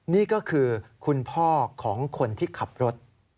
นี่ก็คือคุณพ่อของคนที่ขับรถ